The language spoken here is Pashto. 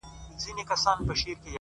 صدقه دي تر تقوا او تر سخا سم،